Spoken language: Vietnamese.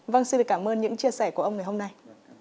vâng xin cảm ơn những chia sẻ của ông ngày hôm nay